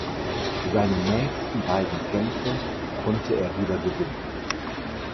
Seine nächsten beiden Kämpfe konnte er wieder gewinnen.